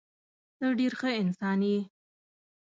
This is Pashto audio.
ته ډېر ښه انسان یې.